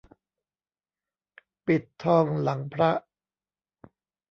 ปิดทองหลังพระ